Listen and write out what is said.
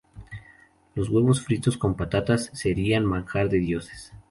los huevos fritos con patatas serían manjar de dioses